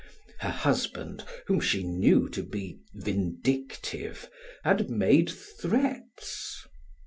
Her husband, whom she knew to be vindictive, had made threats.